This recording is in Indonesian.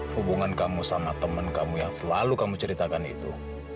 hubungan kamu sama teman kamu yang selalu kamu ceritakan itu